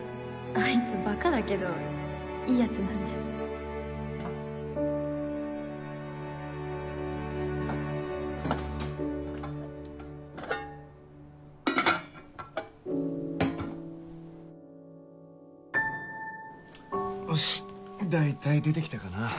あいつバカだけどいいヤツなんでおし大体出て来たかな。